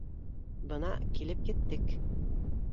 Бына, килеп еттек